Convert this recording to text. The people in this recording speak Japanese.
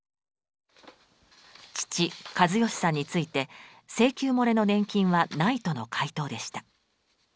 父・計義さんについて請求もれの年金はないとの回答でした。